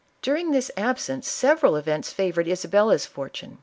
During this absence several events favored Isabella's fortune.